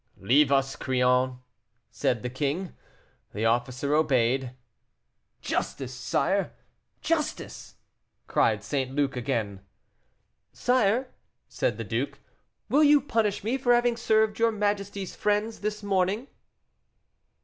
"Leave us, Crillon," said the king. The officer obeyed. "Justice, sire, justice!" cried St. Luc again. "Sire," said the duke, "will you punish me for having served your majesty's friends this morning?"